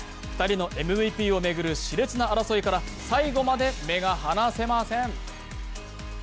２人のＭＶＰを巡るしれつな争いから最後まで目が離せません。